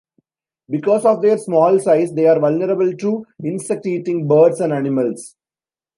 Because of their small size, they are vulnerable to insect-eating birds and animals.